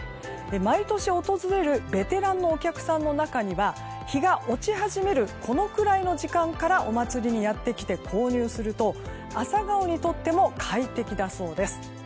毎年訪れるベテランのお客さんの中には日が落ち始めるこのくらいの時間からお祭りにやってきて、購入すると朝顔にとっても快適だそうです。